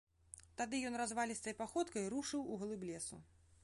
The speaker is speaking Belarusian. Тады ён развалістай паходкай рушыў у глыб лесу.